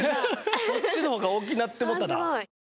そっちの方が大きなってもうたな。